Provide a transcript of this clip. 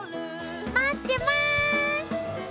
待ってます！